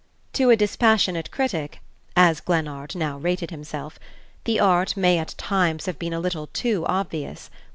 To a dispassionate critic (as Glennard now rated himself) the art may at times have been a little too obvious.